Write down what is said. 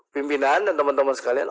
pimpinan dan teman teman